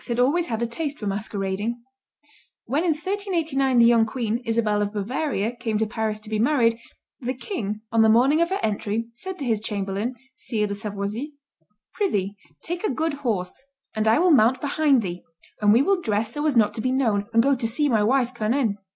had always had a taste for masquerading. When in 1389 the young queen, Isabel of Bavaria, came to Paris to be married, the king, on the morning of her entry, said to his chamberlain, Sire de Savoisy, "Prithee, take a good horse, and I will mount behind thee; and we will dress so as not to be known and go to see my wife cone in."